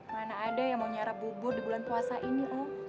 mana ada yang mau nyarap bubur di bulan puasa ini